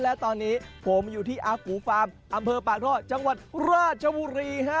และตอนนี้ผมอยู่ที่อากูฟาร์มอำเภอปากท่อจังหวัดราชบุรีฮะ